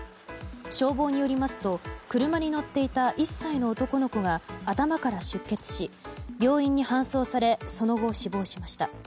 消防によりますと車に乗っていた１歳の男の子が頭から出血し病院に搬送されその後死亡しました。